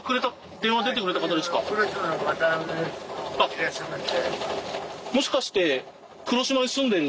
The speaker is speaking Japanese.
いらっしゃいませ。